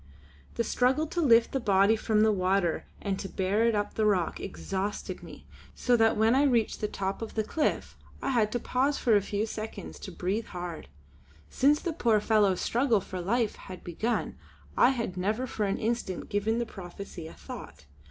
The struggle to lift the body from the water and to bear it up the rock exhausted me, so that when I reached the top of the cliff I had to pause for a few seconds to breathe hard. Since the poor fellow's struggle for life had begun I had never for an instant given the prophecy a thought.